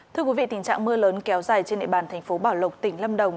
thưa quý vị tình trạng mưa lớn kéo dài trên địa bàn thành phố bảo lộc tỉnh lâm đồng